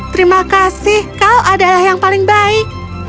terima kasih kau adalah yang paling baik